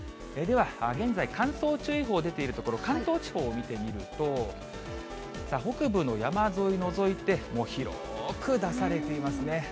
では、現在、乾燥注意報出ている所、関東地方を見てみると、北部の山沿い除いて、もう広く出されていますね。